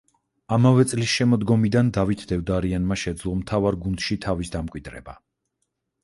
ამავე წლის შემოდგომიდან დავით დევდარიანმა შეძლო მთავარ გუნდში თავის დამკვიდრება.